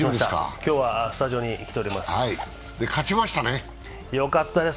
今日はスタジオに来ております。